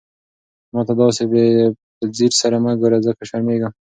ما ته داسې په ځير سره مه ګوره، ځکه شرمېږم.